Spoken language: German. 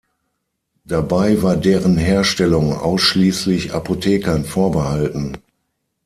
Dabei war deren Herstellung ausschließlich Apothekern vorbehalten.